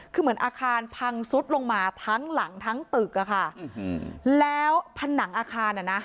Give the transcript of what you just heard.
คือเหมือนอาคารพังซุดลงมาทั้งหลังทั้งตึกอะค่ะแล้วผนังอาคารอ่ะนะ